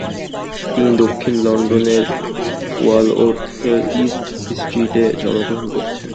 তিনি দক্ষিণ লন্ডনের ওয়ালওর্থের ইস্ট স্ট্রিটে জন্মগ্রহণ করেছেন।